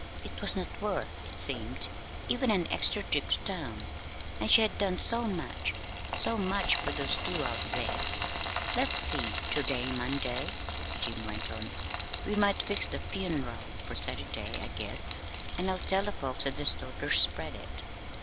It was not worth, it seemed, even an extra trip to town! And she had done so much so much for those two out there! "Let's see; ter day's Monday," Jim went on. "We might fix the fun'ral for Saturday, I guess, an' I'll tell the folks at the store ter spread it.